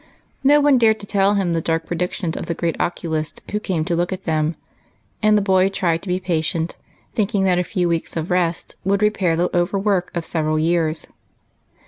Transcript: No one dared to tell him the dark predictions of the great oculist who came to look at them, and the boy tried to be j^atient, thinking that a few weeks of rest would repair the overwork of several years.